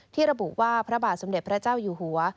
ระบุว่าพระบาทสมเด็จพระเจ้าอยู่หัว